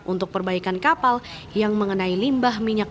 untuk perbaikan kapal yang mengenai limbah minyak